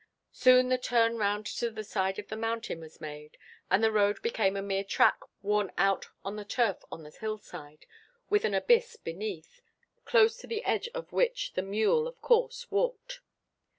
Soon the turn round to the side of the mountain was made, and the road became a mere track worn out on the turf on the hillside, with an abyss beneath, close to the edge of which the mule, of course, walked.